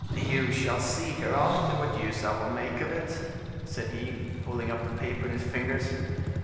"You shall see hereafter what use I will make of it," said he, holding up the paper in his fingers.